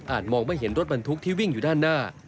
มองไม่เห็นรถบรรทุกที่วิ่งอยู่ด้านหน้า